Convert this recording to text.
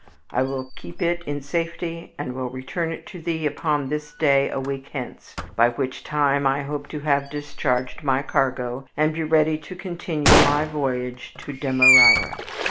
I will keep it in safety and will return it to thee upon this day a week hence, by which time I hope to have discharged my cargo and be ready to continue my voyage to Demerara."